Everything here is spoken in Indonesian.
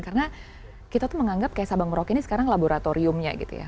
karena kita tuh menganggap kayak sabang merauke ini sekarang laboratoriumnya gitu ya